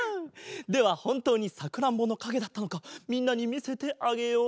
ではほんとうにさくらんぼのかげだったのかみんなにみせてあげよう。